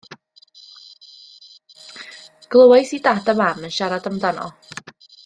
Glywais i dad a mam yn siarad amdano.